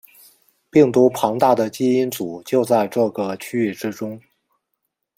病毒庞大的基因组就在这个区域之中。